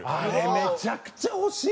めちゃくちゃ欲しいよね。